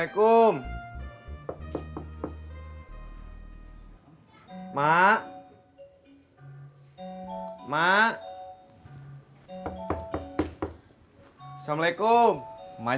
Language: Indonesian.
yang terakhir itu itu pemotong